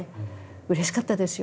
うれしかったですよ。